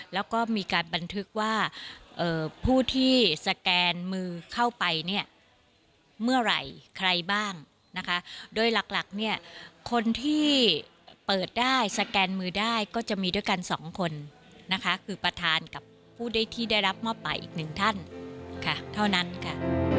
แล้วก็มีการบันทึกว่าผู้ที่สแกนมือเข้าไปเนี่ยเมื่อไหร่ใครบ้างนะคะโดยหลักเนี่ยคนที่เปิดได้สแกนมือได้ก็จะมีด้วยกันสองคนนะคะคือประธานกับผู้ได้ที่ได้รับมอบหมายอีกหนึ่งท่านค่ะเท่านั้นค่ะ